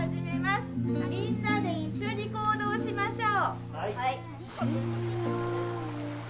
みんなで一緒に行動しましょう。